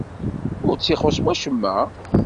Ur tt-ixuṣṣ wacemma?